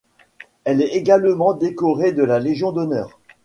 Elle est également décorée de la légion d'honneur.